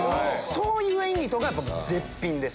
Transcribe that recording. そういう演技とか絶品です。